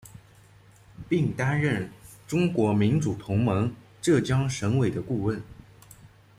并担任中国民主同盟浙江省委的顾问。